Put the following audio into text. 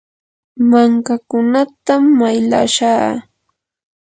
mankakunatam maylashaa.